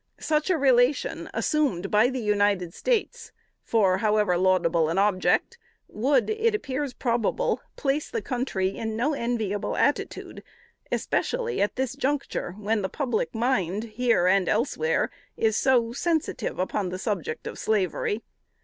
Such a relation assumed by the United States, for however laudable an object, would, it appears probable, place the country in no enviable attitude, especially at this juncture, when the public mind here and elsewhere it so sensitive upon the subject of slavery.